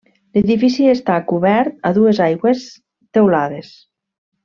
L'edifici està cobert a dues aigües teulades.